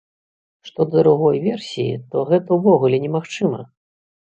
Што да другой версіі, то гэта ўвогуле немагчыма!